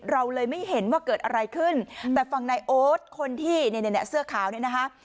เราเลยไม่เห็นว่าเกิดอะไรขึ้นแต่ฝั่งนายโอ๊ตคนที่เนี่ยเสื้อขาวเนี่ยนะคะ